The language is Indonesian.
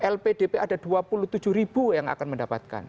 lpdp ada dua puluh tujuh ribu yang akan mendapatkan